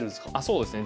そうですね。